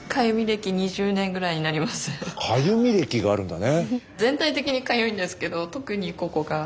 かゆみ歴があるんだね。